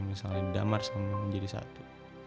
misalnya damar sama mimo jadi satu